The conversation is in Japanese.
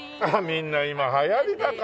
みんな今流行りだから。